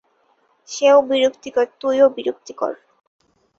সে ও বিরক্তিকর, তুই ও বিরক্তিকর।